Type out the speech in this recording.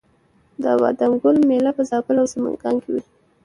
د بادام ګل میله په زابل او سمنګان کې وي.